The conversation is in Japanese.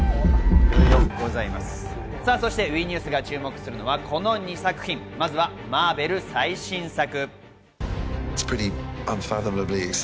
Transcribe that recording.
そしてＷＥニュースが注目するのは、この２作品、まずはマーベル最新作。